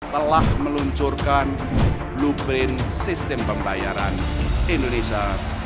telah meluncurkan blueprint sistem pembayaran indonesia dua ribu dua puluh lima